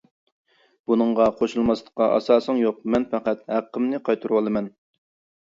بۇنىڭغا قوشۇلماسلىققا ئاساسىڭ يوق، مەن پەقەت ھەققىمنى قايتۇرۇۋالىمەن.